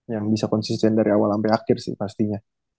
yang bisa konsisten dari awal sampai akhir sih pastinya